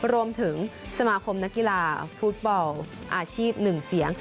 รวมถึงสมาคมนักกีฬาฟุตบอลอาชีพ๑เสียง